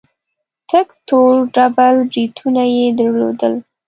تک تور ډبل برېتونه يې درلودل.